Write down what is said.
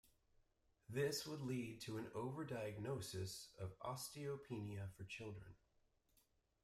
This would lead to an over-diagnosis of osteopenia for children.